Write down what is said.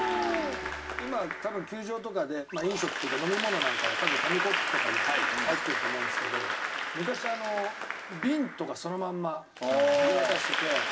今多分球場とかで飲食というか飲み物なんかは多分紙コップとかに入ってると思うんですけど昔ビンとかそのまんま手渡してて。